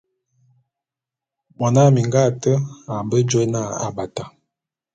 Mona minga ate a mbe jôé na Abata.